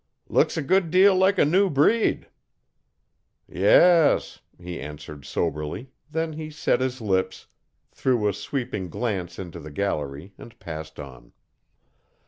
'Looks a good deal like a new breed.' 'Yes,' he answered soberly, then he set his lips, threw a sweeping glance into the gallery, and passed on.